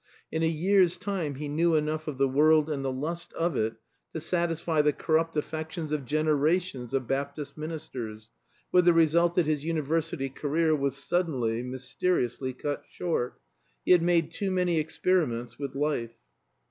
In a year's time he knew enough of the world and the lust of it to satisfy the corrupt affections of generations of Baptist ministers, with the result that his university career was suddenly, mysteriously cut short. He had made too many experiments with life.